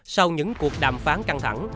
sau những cuộc đàm phán căng thẳng